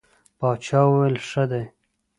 باچا وویل ښه دی.